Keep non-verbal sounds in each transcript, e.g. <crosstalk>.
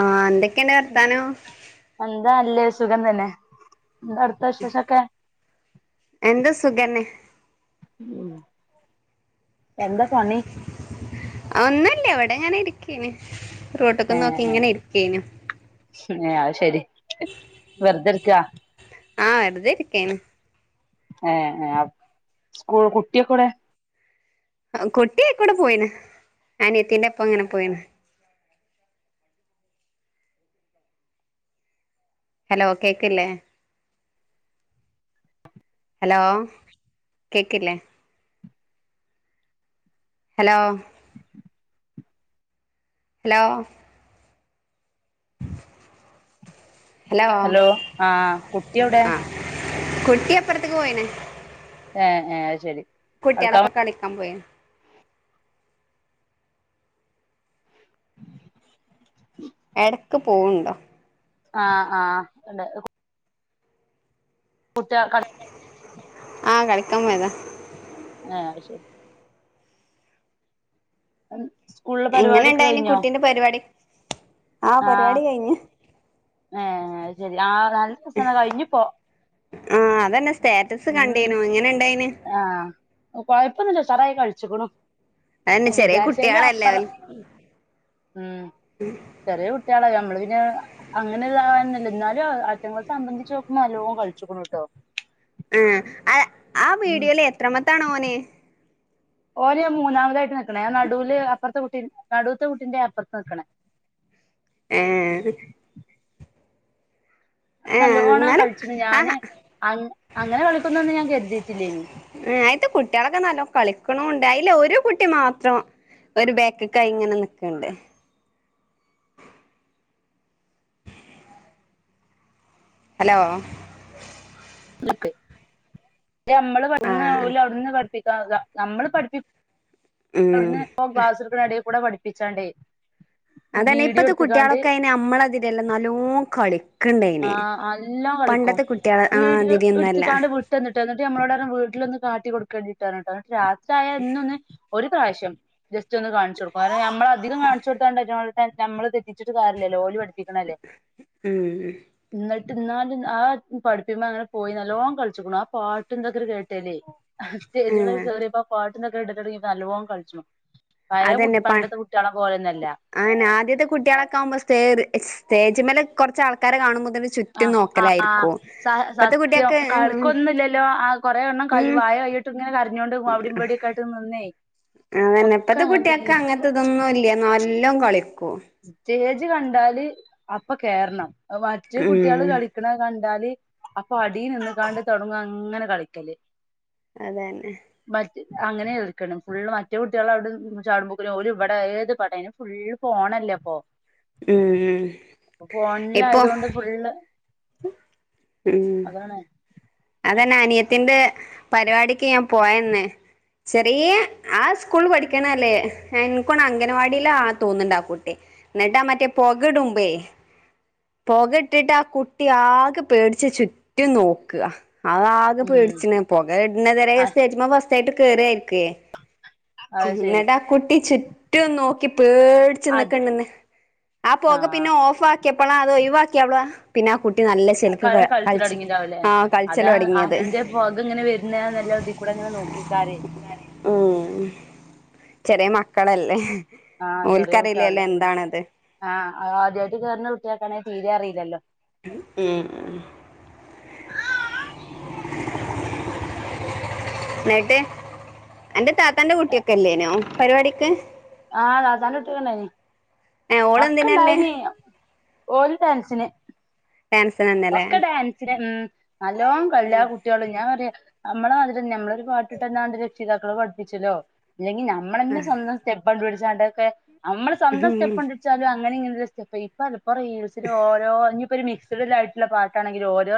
ആഹ് എന്തൊക്കെണ്ട് വർത്താനം എന്താ ല്ലത് സുഖം തന്നെ എന്താ അവ്ട്ത്തെ വിശേഷൊക്കെ എന്ത് സുഗെന്നെ ഉം എന്താ പണി ഒന്നുല്ല വടെങ്ങനെ ഇരിക്കേനി റോട്ട്ക്കും നോക്കിങ്ങനെ ഇരിക്കേനു ഉം ഏ അത് ശെരി ആഹ് വെർതെരിക്കേയ്ന് ഏഹ് ഏഹ് അപ് സ്കൂൾ കുട്ട്യോക്കെവടെ കുട്ടിയയ്ക്കൂടെ പോയിണ് അനിയത്തിന്റെപ്പങ്ങനെ പോയിണ് ഹലോ കേക്ക്ല്ലേ ഹലോ കേക്ക്ല്ലേ ഹലോ ഹലോ ഹലോ ആ കുട്ട്യേവടെ ആഹ് കുട്ടി അപ്പർത്ത്ക്ക് പോയിണ് ഏഹ് ഏഹ് അത് ശെരി കുട്ട്യാളൊപ്പം കളിക്കാൻ പോയി ഉം എടക്ക് പോവ്ണ്ടോ ആഹ് ആഹ് ണ്ട് കുട്ട്യാ കളി ആഹ് കളിക്കാൻ പോയതാ ഏഹ് അത് ശെരി സ്കൂളിലെ പരിപാടിയൊക്കെ എങ്ങനെണ്ടായിന് കുട്ടീന്റെ പരിപാടി ആഹ് പരിപാടി കഴിഞ്ഞ് ഏ അത് ശെരി ആ നല്ല രസണ്ട് കയ്ഞ്ഞുപ്പോ ആഹ് അതെന്നെസ് ഉം ആഹ് കൊഴപ്പൊന്നുല്ല ഉഷാറായി കൾച്ച്ക്കുണു അതന്നെ ചെറിയ വിചാരിച്ചേലും കുട്ടികളല്ലേ അപ്പറം അവല് ഉം ചെറിയ കുട്ട്യാളല്ലെ നമ്മള് പിന്നെ അങ്ങനെ ഇതാവന്നൊല്ല ന്നാലും അയ്റ്റങ്ങളെ സംബന്ധിച്ചോക്ക്മ്പൊ നല്ലോം കൾച്ച്ക്ക്ണ് ട്ടോ ഏ അ ആ ഉം വീഡിയോല് എത്രാമത്താണോന് ഓന് മൂന്നാമതായിട്ട് നിക്ക്ണെ നടുല് അപ്പർത്തെ കുട്ടി നടുത്തെ കുട്ടിന്റെ അപ്പർത്ത് നിക്ക്ണേ ഏഹ് ഏഹ് നല്ലോണം എന്നാലും കൾച്ച്ണ് ഞാന് ആഹ് അങ് അങ്ങനെ കളിക്കുന്നൊന്നും ഞാൻ കെര്തിട്ടില്ലേനി ഏഹ് അയ്ത്തെ കുട്ട്യാളൊക്കെ നല്ലോം കളിക്ക്ണൂണ്ട് അയ്ല് ഒരു കുട്ടി മാത്രം ഒര് ബേക്ക്ക്കായിങ്ങെനെ നിക്ക്ണ്ട് ഹലോ <unintelligible> ക്കെ ത് ഞമ്മള് പ വ്ട്ന്ന് ആഹ് ഓല് അവ്ട്ന്ന് പഠിപ്പിക്കാക്ക നമ്മള് പഠിപ്പി ഉം അവ്ട്ന്ന് പ്പോ ക്ലാസ്സ്ട്ക്ക്ണെ എടേക്കൂടെ പഠിപ്പിച്ചാണ്ടേ അതെന്നെ വീഡിയോ ഇപ്പത്തെ എടുത്തുകാണ്ട് കുട്ട്യാളൊക്കെ അയ്ന് അമ്മളാതിര്യെല്ല നല്ലോം കളി ക്ക്ണ്ടയ്ന് ആഹ് നല്ലോം കളിക്കും പണ്ടത്തെ കുട്ട്യാള് ആഹ് തിര്യൊന്നു അല്ലാ ട്ടെന്ന്ട്ടാ ന്നെട്ട് ഞമ്മളോടർഞ്ഞ് വീട്ട്ലൊന്ന് കാട്ടി കൊട്ക്കെണ്ടിട്ടാേർഞ്ഞ്ട്ട ന്നെട്ട് രാത്ര്യായാ എന്നും ഒന്ന് ഒരു പ്രാവ്ശ്യം ജസ്റ്റാെന്ന് കാൺച്ചൊട്ക്കും കാര്ണം ഞമ്മളധികം കാൺച്ചൊട്ത്താണ്ടയ്റ്റങ്ങൾ ഞമ്മള് തെറ്റിച്ചിട്ട് കാര്യല്ലല്ലോ ഓല് പട് ഉം ഉം ന്നെട്ട് ന്നാലും ആ പഠിപ്പിക്ക്ണ്‌മെ അങ്ങെനെ പോയി നല്ലോം കൾച്ച്ക്ക്ണു ആ പാട്ടുംതൊക്കേണ്ട് കേട്ടേലേ ഉം സ്റ്റേജ്മലാണ്ട് കേറ്യേപ്പം പാട്ടുംതൊക്കെ ഇടെലൊട്ങ്ങ്യപ്പം നല്ലോം കൾച്ചും പയേ കുട് പണ്ടത്തെ കുട്ട്യാളെ പോലെന്നും എല്ലാ അതെന്നെ ആദ്യത്തെ കുട്ട്യാളക്കവുമ്പം സ്റ്റേ സ്റ്റേജ്മല് കൊർച്ചാൾക്കാരെ കാണുമ്പോത്ത്ന് ആഹ് അഹ് ആഹ് സ സത്യം കുട്ടികക്ക് ഉം കളിക്കൊന്നുല്ലല്ലോ ആഹ് കാെറേ എണ്ണം കൈ ഉം വായേ കൈയ്യിട്ട്ങ്ങെനെ കരഞ്ഞോണ്ട് അവ്ടിം ബെട്യൊക്കായ് ട്ട്ന്ന്ന്നേ അതെന്നെ ഇപ്പത്തെ കുട്ട്യാക്കങ്ങൻത്തതൊന്നുംല്ല്യാ നല്ലോം കളിക്കും സ്റ്റേജ് കണ്ടാല് അപ്പ കേർണം അത് മറ്റേ കുട്ട്യാള് ഉം കളി ക്ക്ണത് കണ്ടാല് അപ്പൊ അടീ നിന്ന്ക്കാണ്ട് തൊട്ങ്ങും അങ്ങെനെ കളിക്കെല് അതെന്നെ മറ്റ് അങ്ങനേൽക്ക്ണം ഫുള്ള് മറ്റെ കുട്ട്‌യാളവ്ടെ ചാട്മ്പോക്ക്ലും ഓല് വെടെ ഏത് പടേനും ഫുൾ ഫോണ ല്ലെപ്പൊ ഉം പ്പാെ ഇപ്പൊ ഫോൺലായതോണ്ട് ഫുള്ള് ഉം അതാണ് അതെന്നെ അനിയത്തിന്റെ പരിവാടിക്ക് ഞാൻ പോയന്ന് ചെറിയെ ആ സ്കൂൾള് പഠിക്ക്ണെല്ലേ ഇൻക്കാേണ് അഗനവാടിലാ തോന്ന്ണ്ടാ കുട്ടി ന്നെട്ടാ ആ മറ്റേ പൊകടുമ്പേ പൊകട്ടിട്ടാ കുട്ടി ആകെ പേട്ച്ച് ചുറ്റും നോക്ക അത് ആകെ ഉം പേട്ച്ച്ണ് പാെക ഇട്ന്നെതെരെ സ്റ്റേജ്‌മെ ഫസ്റ്റായ്ട്ട് കേറായ്ര്ക്കേ അത് ശരി ന്നെട്ടാ കുട്ടി ചുറ്റും നോക്കി അത് പേട്ച്ച്ന്ന്ക്ക്ണ്ന്ന് ആ പാെക ആഹ് പിന്നെ ഓഫാക്ക്യപ്പളാ അത് ഒയ്‌വാക്ക്യപ്പളാ പിന്നെ ആ കുട്ടി നല്ല ചേ ൽക്ക് ക കൾച്ച് ആഹ് അതാണ് കളിച്ചലൊടങ്ങിയത് അന്റെ പൊകങ്ങെനെ വെര്ന്നാണല്ലോ തികൂടെങ്ങെനെ നോക്കേയ്ക്കാരെ ഊം ചെറ്യേ മക്കളെല്ലേ ആഹ് ചെറിയ ഓൽക്കറീല്യല്ലോ കുട്ടികള എന്താണത് ആഹ് ആദ്യായ്ട്ട് കേറ്ണ കുട്ട്യാക്കാണെ തീരെ അറീലല്ലോ ഉം ഉം ന്നേട്ട് അന്റെ താ ത്തന്റെ കുട്ട്യൊക്കെല്ലേന്യോ പര്‌വാടിക്ക് ആഹ് താത്താന്റെ കുട്ട്യൊക്കെണ്ടായ്നി ഏഹ് ഓളെന്തിനല്ലേ ഒക്കെണ്ടായ്നി ഓല് ഡാൻസ്ന് ഡാൻസാ ഒക്കെ ഡാൻസ്ന് ഊം നല്ലോം ക ല്ലാ കുട്ട്യാേള് ഞാൻ പറയാ അമ്മെളെ മാത്‌ര്യെന്നെ അമ്മെളൊരു പാട്ട്ട്ടന്നാണ്ട് രക്ഷിതാക്കള് പഠ്പ്പിച്ചാെല്ലോ ഇല്ലെങ്കി ഞമ്മളെന്നെ സ്വന്തം സ്റ്റെപ്പണ്ടുട്‌ച്ചാണ്ടാെക്കെ അമ്മള് സ്വന്തം സ്റ്റെപ്പണ്ടുട്ച്ചാലും അങ്ങനിങ്ങിനില്ലെ സ്റ്റെപ്പ് ഇപ്പ അത്‌ ഇപ്പ റീൽ ഓരോ ഇനി ഇപ്പ ഒരു മിക്ഡ് ആട്ടുള്ള പാട്ടാണെങ്കിൽ ഓരോ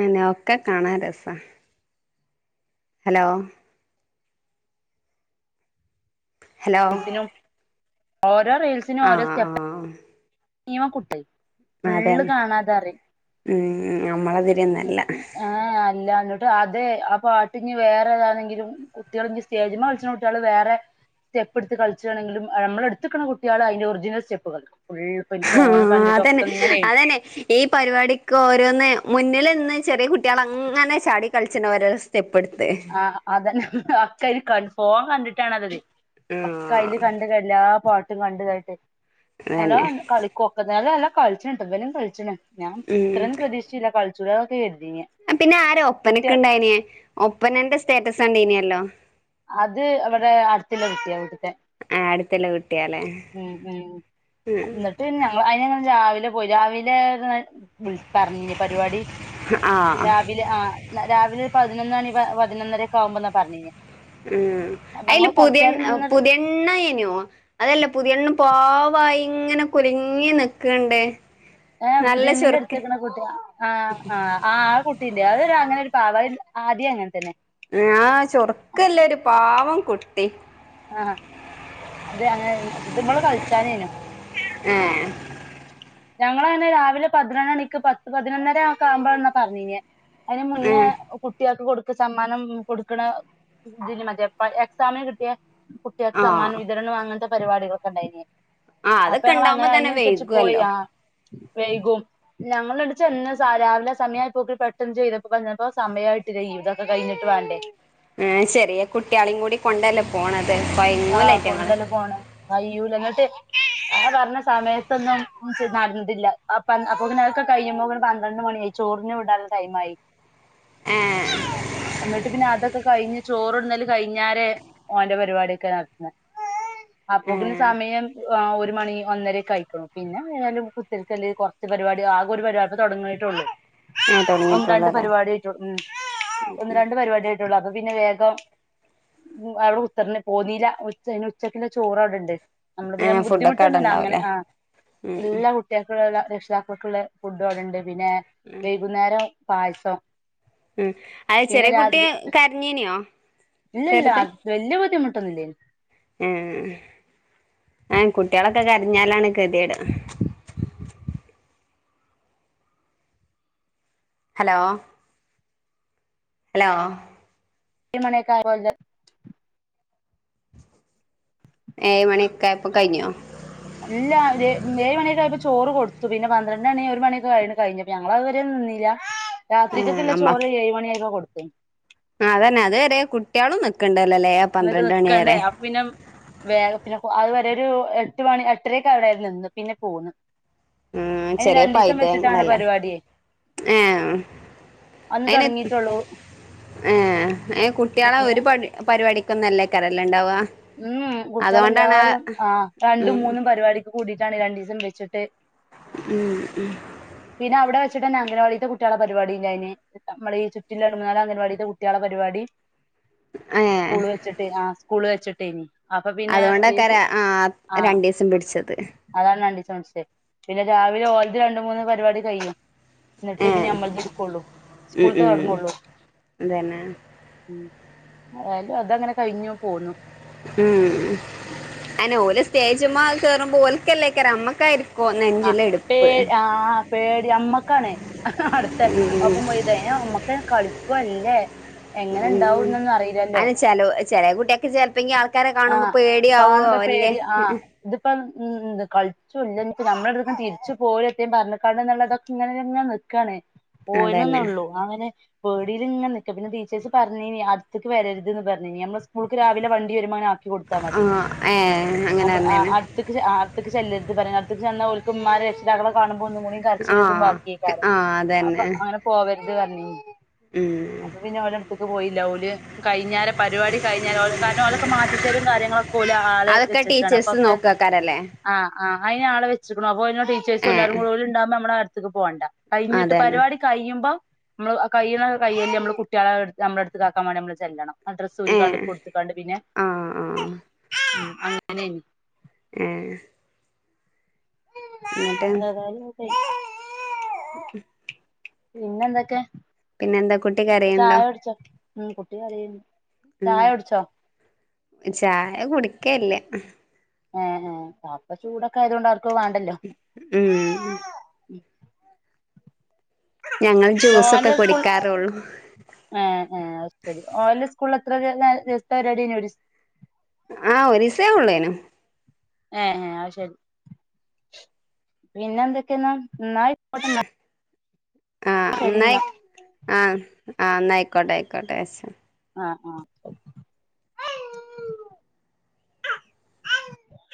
ആനെ ഒക്കെ കാണാൻ രസാ ഹലോ? ഹലോ ഓരോ റീയിൽസിനും ഓരോ ആഹ് സ്റ്റെപ്പ് ആഹ് നെകെട്. ഫുള്ള് അതന്നെ കാണാതെ അറിം. ഉം നമ്മളതിരിയൊന്നല്ല ആഏ അല്ല എന്നോട്ട് അതെ ആ പാട്ട്ഞ്ഞ് വേറെ ഏതാണെങ്കിലും. കുട്ടികൾ ഇ സ്റ്റേജ് വ വിളിച്ചുന്ന കുട്ടികള് വേറെ സ്റ്റെപ്പ്ടുത്ത് കളുണെങ്കിലും നമ്മളെ എടുത് കുട്ടികള് അതിൻ്റ ഒറിജിനൽ സ്റ്റെപ്പ് കളിക്കും ഫുള്ളും. ആ അതെന്നെ അതെന്നെ ഈ പരിപാടിക്ക് ഓരോന്ന് മുന്നിൽ നിന്ന് ചെറിയ കുട്ടികള് അങ്ങനെ ചാടി കളിച്ച ഒരെ രെ സ്റ്റെപ്പ് എടുത്ത്. ആ അതന്നെ അക്കാത് കാണ ഫോൺ കണ്ടിട്ടാണ് അതത് ഒക്കെ അയില് ആഹ് കണ്ട് ക എല്ലാ പാട്ടും കണ്ട് കട്ട്. അല്ല അതന്നെ കളിക്കൊക്കുന്നല്ല എല്ലാം കളിച്ചണിട്ട് ഇവനും കളിച്ചിണ്. ഞാൻ ഇത്രയും ഉം പ്രതീക്ഷിച്ചില്ല കളിച്ചൂല ഒക്കെ കരുതിന്. പിന്നെ ആര് ഒപ്പനക് ഉണ്ടായിന് ഒപ്പനന്റെ സ്റ്റേറ്റസ് ഉണ്ടീനീനല്ലോ? അത് അവിടെ അടുത്തുളള വിട് തെ കുട്ടിയത്തെ ആഹ് അടുത്തുള്ള കുട്ടിയാല്ലേ ആഹ് ആഹ് എന്നിട്ട് ഞ അയിന് രാവിലെ പോയി രാവിലെ വിള പറഞ്ഞ് പരിപാടി. ആഹ് ആ രാവിലെ ഒരു പതിനൊന്ന് മണി പതിനൊന്നര ഒക്ക ആമ്പോന്നാ പറഞ്ഞി ന് ഉം അയ്ല് പുതയണ് നിന്നൊരു പുതയണ്ണയ് നോ അതല്ല പുതിയണ്ണ് പാവായി ഇങ്ങനെ കുലുങ്ങി നി ക്ക്ണ്ട്. ഹ പുതിയണ്ണിൻന്റെ എടുത്നിക്ക്ണ ആ ആ ആ കുട്ടിന്റെ അത് അങ്ങനെ ഒരു പ ആദ്യം അങ്ങനെ തന്നെ ആ ചുറുക്ക്ളള ഒരു പാവം കുട്ടി. ആഹ അത് അങ്ങനെ ഇവള് കളിച്ചാനെനു. ആഹ് ങ്ങളങ്ങനെ രാവിലെ പതിനൊന്നണിക്ക് പത്ത് പതിനൊന്നര ആ ആവുമ്പോഴന്നാ പറഞ്ഞി നെ അതിന് ഏ മുന്നേ കുട്ടികൾക്ക് കൊടുക്ക സമ്മാനം കൊടുക്കണ ഇതിന് മതി അപ്പൊ എക്സാമ കിട്ടിയ. കുട്ടികൾക്ക് ആ സമ്മാനം വിതരണം അങ്ങനത്തെ പരിപാടികളൊക്കെ ഉണ്ടായിന് ആ അപ്പൊ അതൊക്കെ ഞങ്ങ ഇണ്ടാവുമ്പോ അങ്ങനെ തന്നെ അതിനനുസരിച്ച് പോയി വൈകുവല്ലോ ആവൈകുംശ്ശ ഞങചെന്ന രാവിലെ സമയമായി പോക്കി പെട്ടെന്ന് ചെയ്തപ സമയം ആയി ഇതൊക്കെ കഴിഞ്ഞട്ട് വേണ്ടേ. ആ ചെറിയ കുട്ടികളേം കൂടി കൊണ്ടല്ലേ പോണത് കൊയങ്ങുലെ ആഹ് ഐറ്റിങ്ങള്. കൊണ്ടല്ല പോണ് കയ്യൂലനട്ട് അതാ പറഞ്ഞ സമയത്തൊന്നും നടന്നില്ല അപ്പൊപ്പിന്നെ അതൊക്കെ കഴിഞ്ഞപോ പന്ത്രണ്ട് മണി ആയി. ചോറിനു വിടാന് ടൈമായി ഏ എന്നിട്ട് പിന്നെ അതൊക്കെ കഴിഞ്ഞ് ചോറുണ്ണല് കഴിഞ്ഞാലേ ഓന്റെ പരിപാടിയൊക്കെ നടത്തുന്ന് അപ്പപ്പിന്നെ സമയം ഒരു മണി ഒന്നരയൊക്കെ ആയിക്ക്ണ് പിന്നെ എന്തായാലും ല്ലേ കുറച്ച് പരിപാടി ആകെ ഒരു പരിപാടിയിപ്പം തുടങ്ങയിട്ടുള്ളു. ഏ ഒന്ന് രണ്ട് തൊടങ്ങിട്ടൊള്ളൂല്ലേ പരിപാടി ആയിട്ടോള്ളൂ ഒന്ന് രണ്ട് പരിപാടിയായിട്ട അപ്പൊ പിന്നെ വേഗം അവിടെ കുത്ത്ർന്ന്. പോന്നീല ഉച്ച ഉച്ചക്കുള്ള ചോറ് അവിടെണ്ട് നമ്മള് ഏ പിന്നെ ഫുഡൊക്കെ അവിടെ ബുദ്ധിമുട്ടൊന്നുംല്ല അങ്ങനെ ഇണ്ടാവൂലേ ആ ഉം എല്ലാ കുട്ടി കുട്ടികൾക്കുള്ള രക്ഷിതാക്കൾക്കുള്ള ഫുഡും അവിടെണ്ട് പിന്നെ വൈകുന്നേരം പായസം ഉം അത് പിന്നെ ചെറിയ കുട്ടി കരഞ്ഞീനിയോ ഇല്ലില്ല ചെറുത് വല്യ ബുദ്ധിമുട്ടൊന്നുമില്ലേനു ആഹ് ആഹ് കുട്ടികളൊക്കെ കരഞ്ഞാലാണ് ഗതികേട് ഹലോ ഹലോ മണിയൊക്കെ ആകുല്ലോ ഏഴ് മണിയൊക്കെആയപ്പൊ കഴിഞ്ഞോ ഇല്ല ഏഴ് മണിക്കെ ആയപ്പോ ചോറ് കൊടുത്തു പിന്നെ പന്ത്രണ്ട് മണി ഒരു മണിക്കെ കഴി കഴിഞ്ഞപ്പോ ഞങ്ങള് അതുവരെ നിന്നില്ല ആ രാത്രിക്കൊക്കെള്ള ചോറ് ഏഴ് മണി ആയപ്പോ കൊടുത്തു ആഹ് അതന്നെ അതുവരെ കുട്ടികളും നിക്കണ്ടല്ലോല്ലേ എന്നിട്ട് പന്ത്രണ്ട് മണി നിക്കണ്ടേ വരെ അപ്പ പിന്നെ വേഗ പിന്നെ അതു വരെ ഒരു എട്ട് മണി എട്ടരക്ക് അവിടെ നിന്ന് പിന്നെ പോന്നു ഉം ഇനി ചെറിയ രണ്ടീസം വെച്ചിട്ടാണ് പൈതങ്ങളല്ലേ പരിപാടിയെ ഏ അതും തൊടങ്ങിട്ടൊള്ളൂ ഏഹ് കുട്ടികളെ ഒരു പ പരിപാടിക്കൊന്നല്ലേ <unintelligible> ല്ലേണ്ടാവ ഉം കുട്ടികളെല്ലാരും ആ രണ്ടും ഉം മൂന്നും പരിപാടിക്ക് കൂടിട്ടാണ് രണ്ടു ദിവസം വെച്ചിട്ടെ ഉം ഉം പിന്നെ അവിടെ വച്ചിട്ടന്നെ അംഗനവാടിത്തെ കുട്ടികളെ പരിപാടിണ്ടായിന് നമ്മള ഈ ചുറ്റും കെടന്നവര അംഗനവാടിത്ത കുട്ടികളെ പരിപാടി ഏ സ്കൂള് വെച്ചിട്ട് ആഹ് സ്കൂള് വെച്ചിട്ടേനി അപ്പൊ പിന്നെ ഈ അതുകൊണ്ടക്കര ആ ആ രണ്ടീസം പിടിച്ചത് അതാണ് രണ്ടീസം വെച്ചേ പിന്നെ രാവിലെ ഓലത് രണ്ട് മൂന്ന് പരിപാടി കഴിയും എന്നിട്ട് ഏ ഇത് ഞമ്മള് ഇത് എടുക്കുള്ളു ഉം സ്കൂള് ഉം തൊടങ്ങുള്ളു അതന്നെ ഉം ഏതായാലും അതങ്ങനെ കഴിഞ്ഞു പോന്നു ഉം അതിന് ഓല് സ്റ്റേജ്മ്മ കേറുമ്പോ ഓൽക്കല്ലേകേറ് നമ്മക്കായിരി ആഹ് പേ ആഹ് പേടി അമ്മക്കാണ് അടുത്തെ ഒ <unintelligible> കളിക്കുവ ഇല്ലേ ഉം അയിന് ചെലോ ചെലെ കുട്ടിയൊക്കെ ചെലപ്പൊ ഈ ആൾക്കാരെ കാണുമ്പോ ആഹ് പേടിയാവോ കാണുമ്പോ അല്ലേ പേടി ആഹ് ഇതിപ്പം കളിച്ചും ഇല്ലനിപ്പ നമ്മൾ <unintelligible> എന്നുള്ളതൊക്കെ ഇങ്ങനെ ക്കാണ് അതന്നെ പോയിനന്നേള്ളൂ അങ്ങനെ പേടിയിൽ ഇങ്ങെ നിക്ക പിന്ന ടീച്ചേഴ്‌സ് പറഞ്ഞിനി അകത്തേക്ക് വരരുതെന്നു പറഞ്ഞിനി നമ്മള് സ്കൂൾക്ക് രാത് വണ്ടി വരുമ്പം ഇങ്ങന ആക്കി കൊടുത്താൽ ആ മതി ഏ അങ്ങനെ നമ്മള് ആ പറഞ്ഞേന് അത് ത്തെക്ക് ആ അടുത്തെക്ക് ചെല്ലരുത് പറയും അടുത്തേക്ക് ചെന്ന ഓൽക്ക് ഉമ്മാരെ രക്ഷിതാക്കളെ കാണുമ്പോ ഒന്നുംകൂടി ആ കരച്ചിൽതും ബാക്കിയക്കാരം ആ അപ്പൊ അതന്നെ അങ്ങനെ പോവരുത് പറിഞ്ഞിനി ഉം അപ്പോ പിന്നെ ഓലെ അടുത്ത്ക്ക് പോയില്ല ഓല് കഴിഞ്ഞേരെ പര് പരിപാടി കഴിഞ്ഞാൽ കാരണം ഓലൊക്കെ മാറ്റിച്ചലും കാര്യങ്ങളൊക്കെ ഓല് ആളെ അതൊക്കെ വെച്ചക്കാണ് ടീച്ചേഴ്സ് അപ്പൊക്കെ നോക്കാക്കാരല്ലേ ആഹ് ആഹ് അതിന് ആളെ വച്ചിക്ക്ണു അപ്പ അയ്ന് ടീച്ചേഴ്സും ഏ എല്ലാരും ഓല്ണ്ടാകുമ്പോ നമ്മള് അടുത്തേക്ക് പോകണ്ട കഴിഞ്ഞിട്ട് അതന്നെ പരിപാടി കഴിയുമ്പോ നമ്മള് കയ്യുന്ന കയ്യല് നമ്മള് കുട്ടികളെ നമ്മളെ അടുത്ത്ക്ക് ആക്കാൻ വേണ്ടി നമ്മള് ചെല്ലണം ആഹ് ഡ്രസ്സ്‌ ഏ ഊരിക്കാണ്ട് കൊടുത്ത് കാണ്ട് പിന്നെ ആ ആ അങ്ങനെയെനി ഏഹ് ഏതായാലും <unintelligible> പിന്നെ എന്തൊക്കെ പിന്നെന്താ കുട്ടി ചായ കരയുണ്ടോ കുടിച്ചോ ഉം കുട്ടി കരയ്ണ്ട് ചായ കുടിച്ചോ ഉ ചായ കുടിക്കല്യ ഏ ഏഹ അപ്പ ചൂടൊക്കെ ആയതോണ്ട് ആർക്കും വേണ്ടല്ലോ ഉം <inaudible> ഞങ്ങൾ ജ്യൂസൊക്കെ കുടിക്കാറുള്ളൂ ആ ആ് അഹ് ശെരി ഓലെ സ്കൂളിൽ എത്ര ദിവസത്തെ പരിപാടിയെനി ഒരി ആഹ ഒരീസെ ഒള്ളേനും ഏ ആഹ് ശെരി പിന്നെ എന്തൊക്കെയെന്നാ ന്നാ അയിക്കോട്ടെ ന്നാ ആ ന്നയ് ആ ആ ന്നായിക്കോട്ടെ ആയിക്കോട്ടെ അസ്സ ആഹ ആഹ ആഹ്